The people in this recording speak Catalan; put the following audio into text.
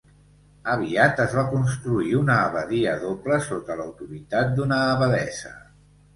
Aviat es va construir una abadia doble sota l'autoritat d'una abadessa.